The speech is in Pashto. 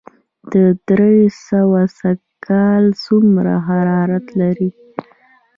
د دره صوف سکاره څومره حرارت لري؟